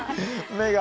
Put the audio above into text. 目が。